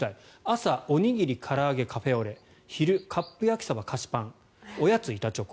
朝、おにぎりから揚げ、カフェオレ昼、カップ焼きそば、菓子パンおやつ、板チョコ。